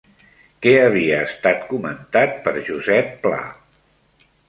Què havia estat comentat per Josep Pla?